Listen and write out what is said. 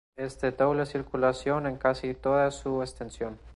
Es de doble circulación en casi toda su extensión.